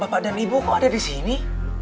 bapak dan ibu kok ada di sini